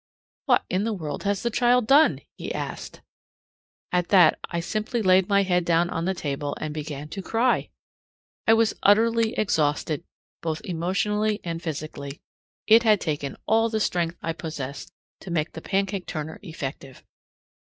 "What in the world has the child done?" he asked. At that I simply laid my head down on the table and began to cry! I was utterly exhausted both emotionally and physically. It had taken all the strength I possessed to make the pancake turner effective.